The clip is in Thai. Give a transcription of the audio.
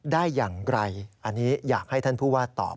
ได้อย่างไรอันนี้อยากให้ท่านผู้ว่าตอบ